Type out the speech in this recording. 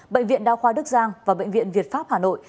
bệnh viện đa khoa đức giang và bệnh viện việt pháp hà nội